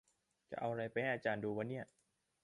จะเอาอะไรไปให้อาจารย์ดูวะเนี่ย